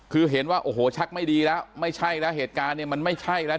คือเห็นว่าโอ้โหชักไม่ดีแล้วไม่ใช่แล้วเหตุการณ์เนี่ยมันไม่ใช่แล้ว